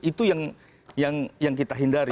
itu yang kita hindari